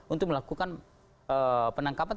untuk melakukan penangkapan